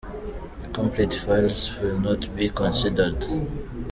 Incomplete files will not be considered.